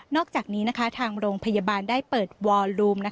อกจากนี้ทางโรงพยาบาลได้เปิดวอลลูม